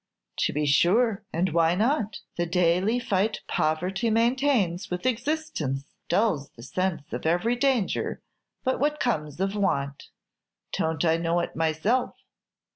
"To be sure; and why not? The daily fight poverty maintains with existence dulls the sense of every danger but what comes of want. Don't I know it myself?